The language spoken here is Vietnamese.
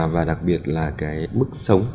và đặc biệt là cái mức sống